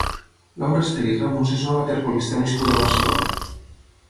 Laura Ester i Ramos és una waterpolista nascuda a Barcelona.